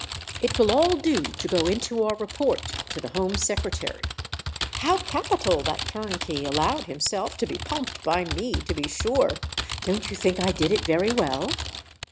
"It will all do to go into our report to the Home Secretary. How capital that turnkey allowed himself to be pumped by me, to be sure! Don't you think I did it very well?"